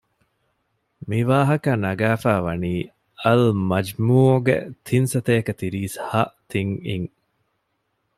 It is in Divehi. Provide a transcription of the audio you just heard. މިވާހަކަ ނަގާފައިވަނީ އަލްމަޖްމޫޢުގެ ތިންސަތޭކަ ތިރީސް ހަ ތިން އިން